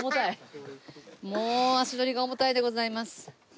もう足取りが重たいでございます殿。